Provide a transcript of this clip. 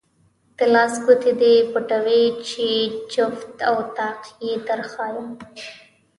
د لاس ګوتې دې پټوې چې جفت او طاق یې دروښایم.